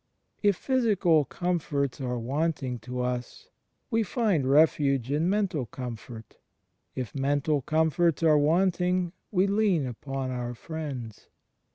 If physical comforts are wanting to us, we find refuge in mental comfort; if mental comforts are wanting, we lean upon our friends.